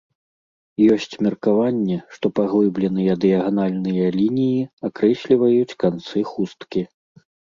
Ёсць меркаванне, што паглыбленыя дыяганальныя лініі акрэсліваюць канцы хусткі.